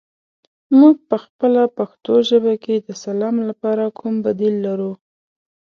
موږ پخپله پښتو ژبه کې د سلام لپاره کوم بدیل لرو؟